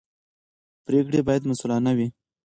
پرېکړې باید مسوولانه وي